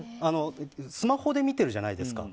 スマホで見てるじゃないですか。